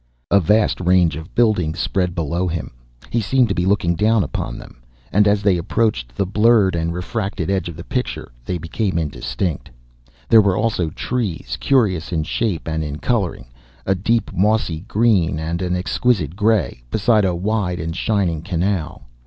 A vast range of buildings spread below him; he seemed to be looking down upon them; and, as they approached the blurred and refracted edge of the picture, they became indistinct. There were also trees curious in shape, and in colouring, a deep mossy green and an exquisite grey, beside a wide and shining canal.